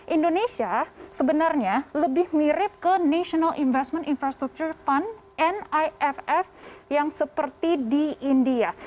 indonesia sebenarnya lebih mirip ke national investment infrastructure fund niff yang seperti di india